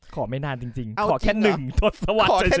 ขอไม่นานจริงขอแค่๑ทศวรรษเฉพาะ